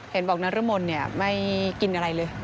เห็นบอกนรมนไม่กินอะไรเลย